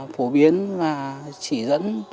phổ biến và chỉ dẫn